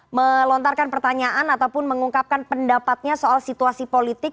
nanti teman teman bisa melontarkan pertanyaan ataupun mengungkapkan pendapatnya soal situasi politik